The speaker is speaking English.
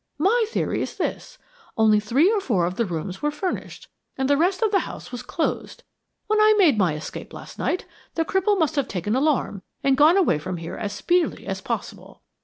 My theory is this only three or four of the rooms were furnished, and the rest of the house was closed. When I made my escape last night, the cripple must have taken alarm and gone away from here as speedily as possible.